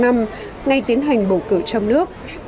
ngay tiến hành bầu cử trong nước